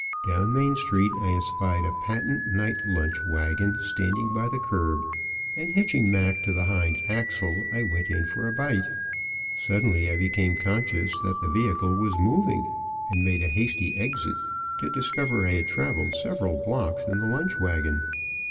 Down Main street, I espied a patent night lunch wagon standing by the curb, and hitching Mac to the hind axle, I went in for a bite. Suddenly I became conscious that the vehicle was moving, and made a hasty exit, to discover I had traveled several blocks in the lunch wagon.